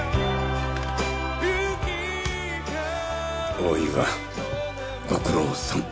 大岩ご苦労さん。